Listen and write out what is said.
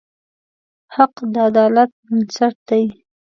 حق د عدالت بنسټ دی.